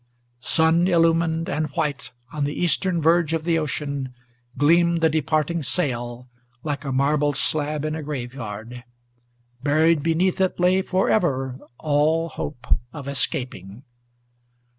Sun illumined and white, on the eastern verge of the ocean Gleamed the departing sail, like a marble slab in a graveyard; Buried beneath it lay for ever all hope of escaping.